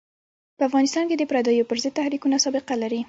په افغانستان کې د پردیو پر ضد تحریکونه سابقه لري.